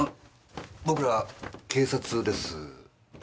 僕ら警察です。